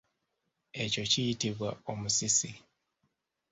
Ekyo kiyitibwa omusisi.